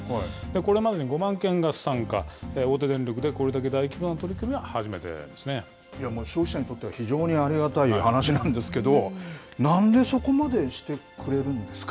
これまでに５万軒が参加、大手電力でこれだけ大規模な取り組みはいや、消費者にとっては、非常にありがたい話なんですけど、なんでそこまでしてくれるんです